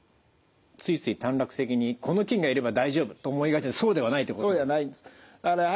ついつい短絡的にこの菌がいれば大丈夫と思いがちですがそうではないということですね。